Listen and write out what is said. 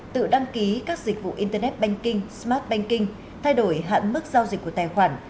tự đăng ký các dịch vụ internet banking smart banking thay đổi hạn mức giao dịch của tài khoản